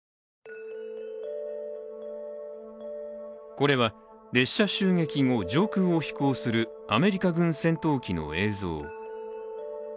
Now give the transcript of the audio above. これは列車襲撃後、上空を飛行するアメリカ軍戦闘機の映像。